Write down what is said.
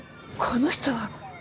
この人は。